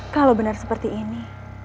kalau benar seperti ini